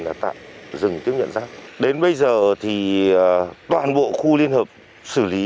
tạm thời là dừng bãi rác đã không bây giờ càng đổ là càng quá tải